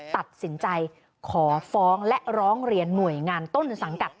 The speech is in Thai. ตัดสินใจขอฟ้องและร้องเรียนหน่วยงานต้นสังกัด